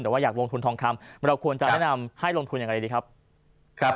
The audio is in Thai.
แต่ว่าอยากลงทุนทองคำเราควรจะแนะนำให้ลงทุนอย่างไรดีครับ